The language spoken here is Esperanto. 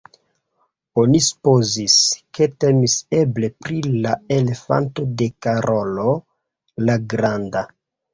Oni supozis, ke temis eble pri la elefanto de Karolo la granda.